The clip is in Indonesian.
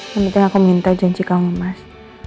kemudian aku minta janji kamu mas